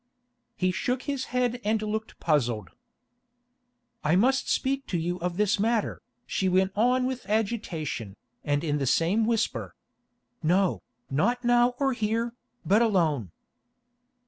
He shook his head and looked puzzled. "I must speak to you of this matter," she went on with agitation, and in the same whisper. "No, not now or here, but alone."